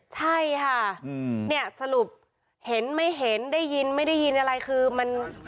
ใช่ค่ะเนี่ยสรุปเห็นไม่เห็นได้ยินไม่ได้ยินอะไรคือมัน